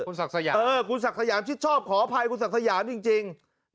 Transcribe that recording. คุณศักดิ์สยามเออคุณศักดิ์สยามชิดชอบขออภัยคุณศักดิ์สยามจริง